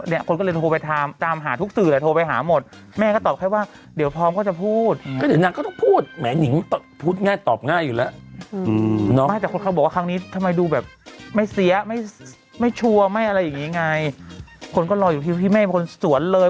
ไอ้ชัลชั่วไหมอะไรอย่างงี้ไงคนก็รออยู่ทรีย์พี่แม่คนสวนเลย